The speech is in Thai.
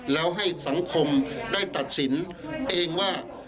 แล้วให้สังคมได้ตัดสินเองว่า